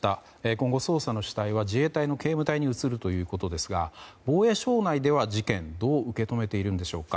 今後、捜査の主体は自衛隊の警務隊に移るということですが防衛省内では事件をどう受け止めているんでしょうか。